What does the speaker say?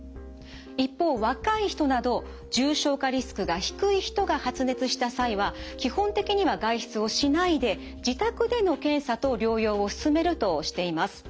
一方若い人など重症化リスクが低い人が発熱した際は基本的には外出をしないで自宅での検査と療養を勧めるとしています。